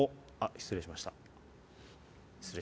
失礼しました。